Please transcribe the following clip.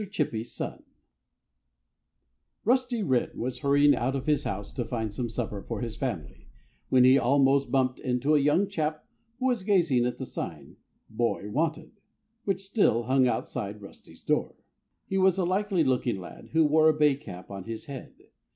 CHIPPY'S SON Rusty Wren was hurrying out of his house to find some supper for his family, when he almost bumped into a young chap who was gazing at the sign, "Boy Wanted," which still hung outside Rusty's door. He was a likely looking lad, who wore a bay cap on his head.